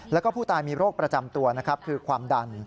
แล้วก็ผู้ตายมีโรคประจำตัวนะครับคือความดัน